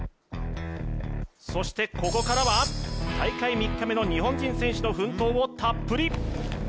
そしてここからは大会３日目の日本人選手の奮闘をたっぷり！